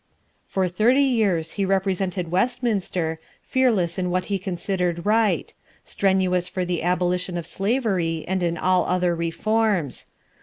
For thirty years he represented Westminster, fearless in what he considered right; strenuous for the abolition of slavery, and in all other reforms.